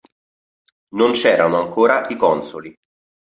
Non c'erano ancora i consoli.